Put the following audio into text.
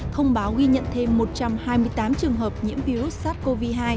thông báo ghi nhận thêm một trăm hai mươi tám trường hợp nhiễm virus sars cov hai